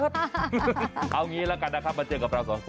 รึเปล่าพี่อักไม่คิดถึงหรอก